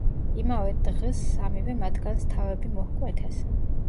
იმავე დღს სამივე მათგანს თავები მოჰკვეთეს.